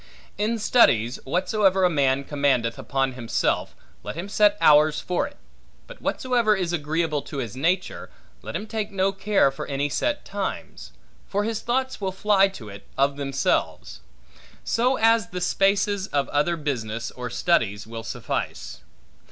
In studies, whatsoever a man commandeth upon himself, let him set hours for it; but whatsoever is agreeable to his nature, let him take no care for any set times; for his thoughts will fly to it, of themselves; so as the spaces of other business, or studies, will suffice.